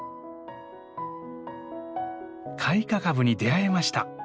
開花株に出会えました。